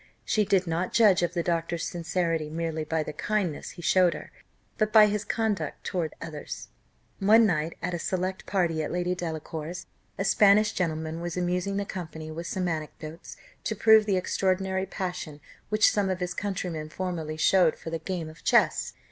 She did not judge of the doctor's sincerity merely by the kindness he showed her, but by his conduct towards others. One night, at a select party at Lady Delacour's, a Spanish gentleman was amusing the company with some anecdotes, to prove the extraordinary passion which some of his countrymen formerly showed for the game of chess.